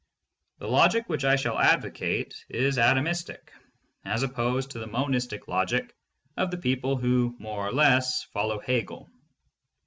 The logic which I shall ad vocate is atomistic, as opposed to the monistic logic of the people who more or less follow Hegel.